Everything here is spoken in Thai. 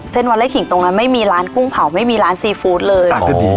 วันละขิงตรงนั้นไม่มีร้านกุ้งเผาไม่มีร้านซีฟู้ดเลย